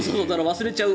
忘れちゃう。